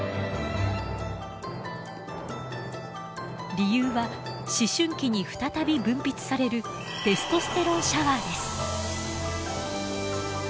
理由は思春期に再び分泌されるテストステロンシャワーです。